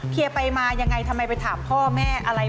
ไปมายังไงทำไมไปถามพ่อแม่อะไร